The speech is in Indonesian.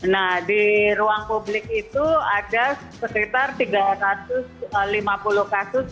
nah di ruang publik itu ada sekitar tiga ratus lima puluh kasus